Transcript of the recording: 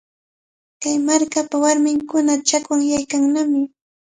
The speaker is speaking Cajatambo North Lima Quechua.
Kay markapa warminkuna chakwanyaykannami.